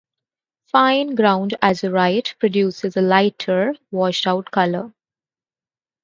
Fine-ground azurite produces a lighter, washed-out color.